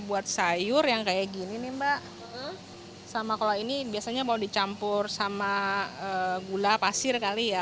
buat sayur yang kayak gini nih mbak sama kalau ini biasanya mau dicampur sama gula pasir kali ya